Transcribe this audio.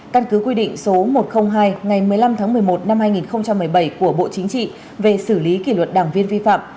căn cứ quy định số một trăm linh hai ngày một mươi năm tháng một mươi một năm hai nghìn một mươi bảy của bộ chính trị về xử lý kỷ luật đảng viên vi phạm